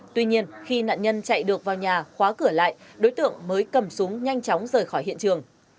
tuy nhiên khi nạn nhân chạy được vào nhà khóa cửa lại đối tượng mới cầm súng nhanh chóng rời khỏi hiện trường